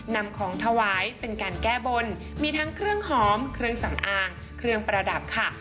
นำของถวายเป็นการแก้บนมีทั้งเครื่องหอมเครื่องสำอางเครื่องประดับค่ะ